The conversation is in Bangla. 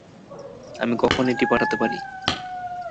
আমি কখন এটি পাঠাতে পারি?